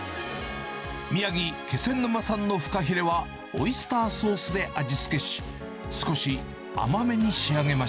宮城・気仙沼産のフカヒレはオイスターソースで味付けし、少し甘